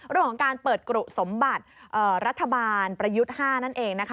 เรื่องของการเปิดกรุสมบัติรัฐบาลประยุทธ์๕นั่นเองนะคะ